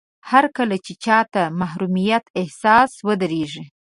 هرکله چې چاته د محروميت احساس ودرېږي.